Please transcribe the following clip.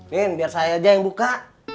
bin biar saya aja yang buka